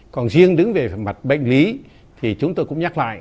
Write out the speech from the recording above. còn riêng đứng về mặt bệnh lý thì chúng tôi cũng nhắc lại